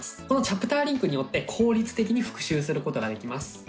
このチャプターリンクによって効率的に復習することができます。